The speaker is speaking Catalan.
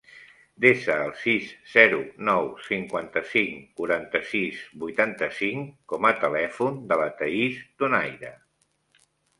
Desa el sis, zero, nou, cinquanta-cinc, quaranta-sis, vuitanta-cinc com a telèfon de la Thaís Donaire.